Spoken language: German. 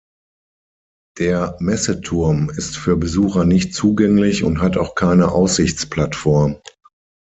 Der Messeturm ist für Besucher nicht zugänglich und hat auch keine Aussichtsplattform.